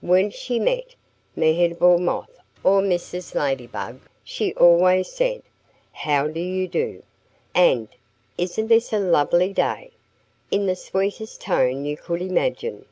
When she met Mehitable Moth or Mrs. Ladybug she always said, "How do you do?" and "Isn't this a lovely day?" in the sweetest tone you could imagine.